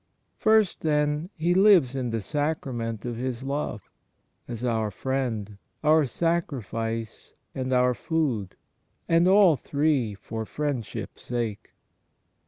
First, then. He lives in the Sacrament of His Love — as our Friend, our Sacrifice and our Food — and all three for friendship's sake.